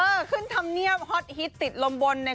เออขึ้นทำเนียมฮอตฮิตติดลมบนนะคะ